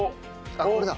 あっこれだ。